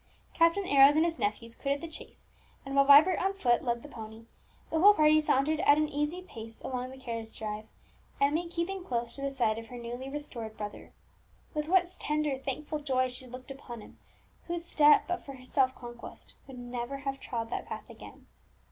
Captain Arrows and his nephews quitted the chaise; and while Vibert on foot led the pony, the whole party sauntered at an easy pace along the carriage drive, Emmie keeping close to the side of her newly restored brother. With what tender, thankful joy she looked upon him whose step, but for her self conquest, would never have trod that path again!